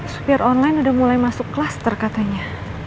supir online udah mulai masuk klaster katanya